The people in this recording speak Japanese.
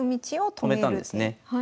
止めたんですね。